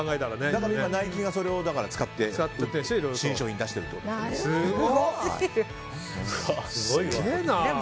ナイキがそれを使って新商品出してるってことです。